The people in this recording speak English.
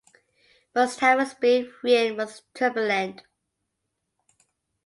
Mustafa's brief reign was turbulent.